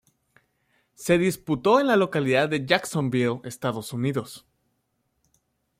Se disputó en la localidad de Jacksonville, Estados Unidos.